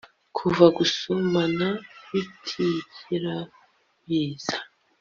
Kuva gusomana bitigera biza